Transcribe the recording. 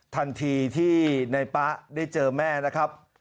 ทันทีที่นายป๊ะได้เจอแม่นะครับ